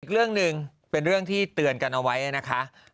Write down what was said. อีกเรื่องหนึ่งเป็นเรื่องที่เตือนกันเอาไว้นะคะ